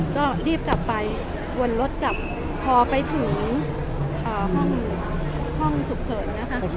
ก็รีบกลับไปวนรถกลับพอไปถึงห้องฉุกเฉินนะคะ